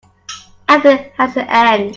Everything has an end.